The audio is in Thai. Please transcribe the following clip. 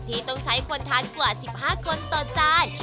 ที่ต้องใช้คนทานกว่า๑๕คนต่อจาน